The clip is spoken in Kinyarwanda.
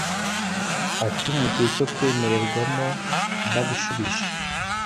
ati mu gihe cyo kwemererwamo naragushubije